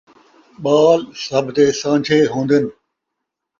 ٻال سبھ دے سانجھے ہوندن